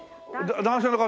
男性の方？